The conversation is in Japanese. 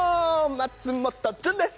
松本潤です！